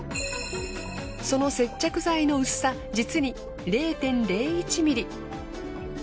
その接着剤の薄さ実に０．０１ｍｍ。